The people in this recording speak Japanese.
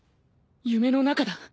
夢の中だ